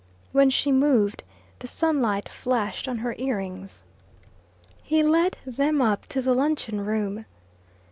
When she moved, the sunlight flashed on her ear rings. He led them up to the luncheon room.